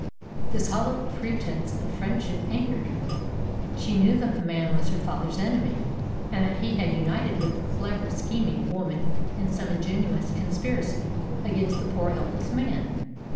This hollow pretence of friendship angered her. She knew that the man was her father's enemy, and that he had united with the clever, scheming woman in some ingenious conspiracy against the poor, helpless man.